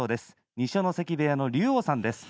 二所ノ関部屋の龍王さんです。